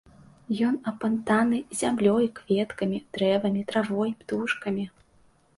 Ён апантаны зямлёй, кветкамі, дрэвамі, травой, птушкамі.